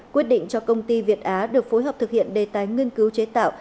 quyết định cho công ty việt á được phối hợp thực hiện đề tài nghiên cứu chế tạo